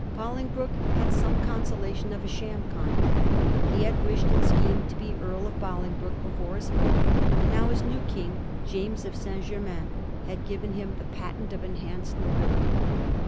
Bolingbroke had some consolation of a sham kind. He had wished and schemed to be Earl of Bolingbroke before his fall, and now his new King, James of St. Germains, had given him the patent of enhanced nobility.